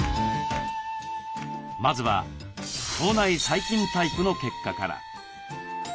まずは腸内細菌タイプの結果から。